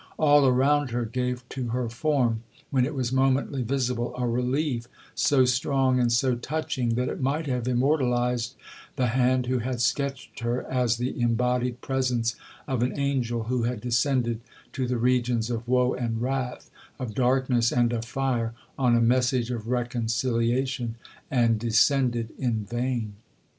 —All around her gave to her form, when it was momently visible, a relief so strong and so touching, that it might have immortalized the hand who had sketched her as the embodied presence of an angel who had descended to the regions of woe and wrath,—of darkness and of fire, on a message of reconciliation,—and descended in vain.